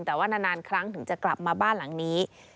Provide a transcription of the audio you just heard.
แต่ว่านานครั้งถึงจะกลับมาบ้านหลังนี้